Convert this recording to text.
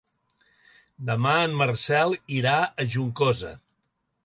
Demà en Marcel irà a Juncosa.